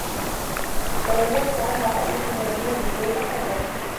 فَلَمْ يَنْفِ عَنْهَا قَبِيحًا وَلَمْ يَهْدِ إلَيْهَا حَسَنًا